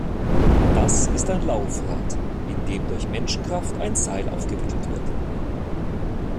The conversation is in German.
Das ist ein Laufrad, in dem durch Menschenkraft ein Seil aufgewickelt wird.